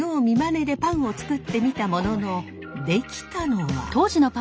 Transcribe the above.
見まねでパンを作ってみたものの出来たのは。